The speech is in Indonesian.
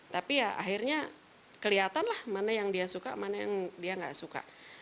tapi ya akhirnya kelihatan lah mana yang dia suka mana yang dia nggak suka